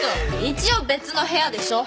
一応別の部屋でしょ。